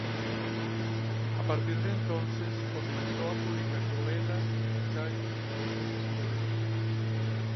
A partir de entonces comenzó a publicar novelas, ensayos y otros estudios.